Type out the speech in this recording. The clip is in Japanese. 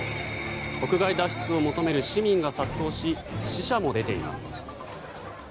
国外脱出を求める市民が殺到し死者も出ています。